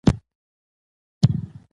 استعداد کمېږي نه.